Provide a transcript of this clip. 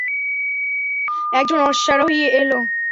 একজন অশ্বারোহী এল।